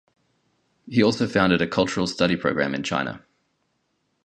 He also founded a cultural study program in China.